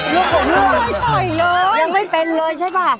ลูกของลูกไม่ต่อยเลยยังไม่เป็นเลยใช่ป่ะ